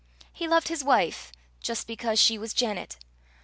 He loved his wife just because she was Janet.